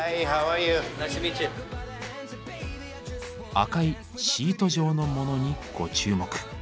赤いシート状のモノにご注目。